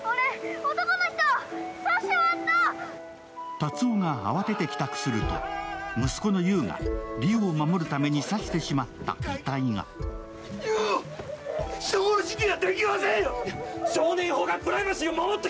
達雄が慌てて帰宅すると、息子の優が梨央を守るために刺してしまった優が。